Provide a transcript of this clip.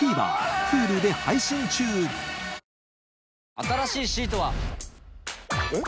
新しいシートは。えっ？